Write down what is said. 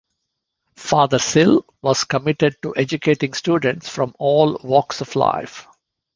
Father Sill was committed to educating students from all walks of life.